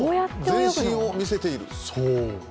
全身を見せている。